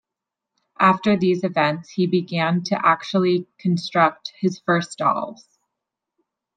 After these events, he began to actually construct his first dolls.